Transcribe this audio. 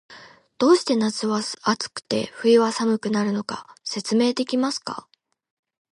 どうして夏は暑くて、冬は寒くなるのか、説明できますか？